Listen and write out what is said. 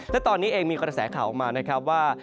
และตอนนี้เองมีกระแสข่าวออกมานะครับว่า